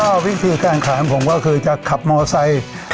วิธีการคลายครับก็วิธีการคลายผมก็คือจะขับมอสไซค์